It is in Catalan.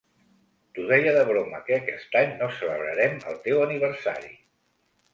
T'ho deia de broma que aquest any no celebrarem el teu aniversari.